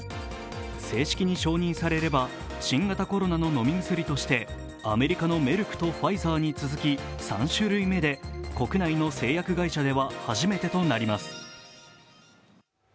正式に承認されれば新型コロナの飲み薬としてアメリカのメルクとファイザーに続き３種類目で国内の製薬会社では初めてとなります。